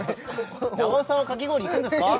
中尾さんはかき氷行くんですか？